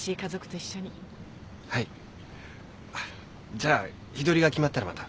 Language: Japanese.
じゃあ日取りが決まったらまた。